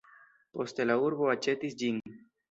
Poste la urbo aĉetis ĝin.